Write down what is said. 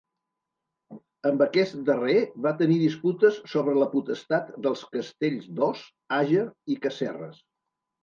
Amb aquest darrer va tenir disputes sobre la potestat dels castells d'Os, Àger i Casserres.